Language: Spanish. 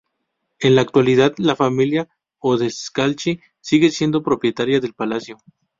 En la actualidad la familia Odescalchi sigue siendo propietaria del palacio.